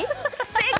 正解！